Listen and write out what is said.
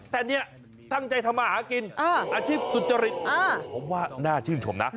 แต่เนี่ยตั้งใจทำมาหากินอาชีพสุจริตผมว่าน่าชื่นชมนะ